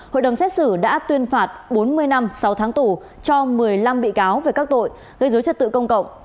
hội đồng xét xử đã tuyên phạt bốn mươi năm sáu tháng tù cho một mươi năm bị cáo về các tội gây dối trật tự công cộng